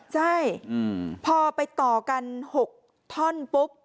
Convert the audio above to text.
ใช่พอไปต่อกัน๖ท่อนปุ๊บ